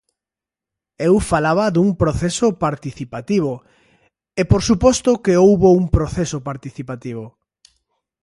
Eu falaba dun proceso participativo, e por suposto que houbo un proceso participativo.